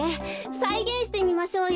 さいげんしてみましょうよ。